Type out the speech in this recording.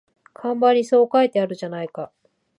看板にそう書いてあるじゃないか